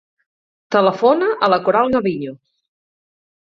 Telefona a la Coral Gaviño.